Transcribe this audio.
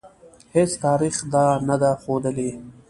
هیڅ تاریخ دا نه ده ښودلې.